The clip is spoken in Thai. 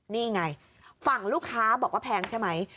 นี่ไงฝั่งลูกค้าบอกว่าแพงใช่ไหม